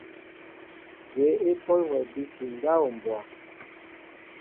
Jyéé e pɔl wɛ abisi ndáw mbwa ?